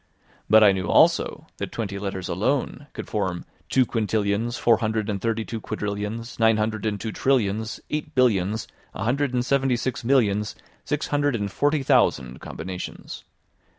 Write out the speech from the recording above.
But I knew also that twenty letters alone could form two quintillions, four hundred and thirty two quadrillions, nine hundred and two trillions, eight billions, a hundred and seventy six millions, six hundred and forty thousand combinations.